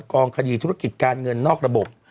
กองคดีธุรกิจการเงินนอกระบบ